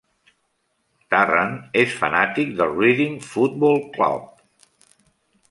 Tarrant és fanàtic del Reading Football Club.